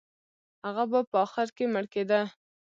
هغه به په اخر کې مړ کېده.